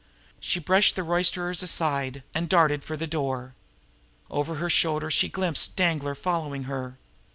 She brushed the roisterers aside, and darted for the door. Over her shoulder she glimpsed Danglar following her.